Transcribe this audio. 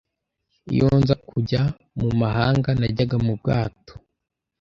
Iyo nza kujya mu mahanga, najyaga mu bwato.